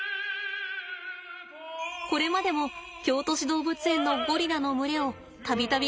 これまでも京都市動物園のゴリラの群れを度々描いてきました。